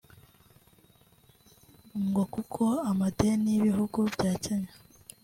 ng kuko amadeni y’ibihugu bya Kenya